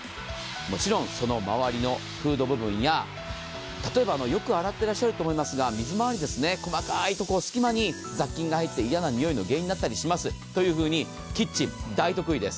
もちろんその周りのフード部分や例えばよく洗っていらっしゃるとおもいますが水回り、細かいところ、すき間に雑菌が入って嫌な臭いの原因になったりします、キッチン大得意です。